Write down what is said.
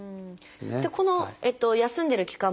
この休んでる期間も含めて